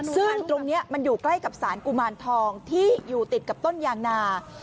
ซึ่งตรงนี้มันอยู่ใกล้กับสารกุมารทองที่อยู่ติดกับต้นยางนา